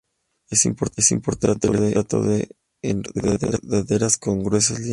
Es importante el estrato de enredaderas, con gruesas lianas.